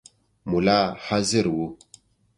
مُلا حاضر وو.